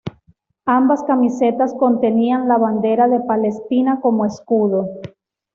Ambas camisetas contenían la bandera de Palestina como escudo.